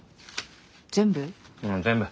全部？